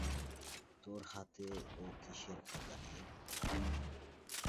তোর হাতে ও কিসের খাতা নীর?